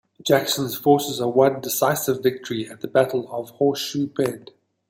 Jackson's forces won a decisive victory at the Battle of Horseshoe Bend.